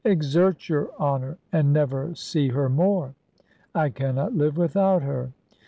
"Exert your honour, and never see her more." "I cannot live without her."